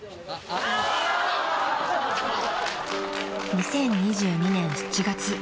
［２０２２年７月］